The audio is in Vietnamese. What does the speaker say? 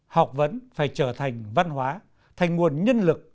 học vấn phải trở thành văn hóa thành nguồn nhân lực